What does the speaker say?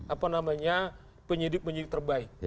apa namanya penyidik penyidik terbaik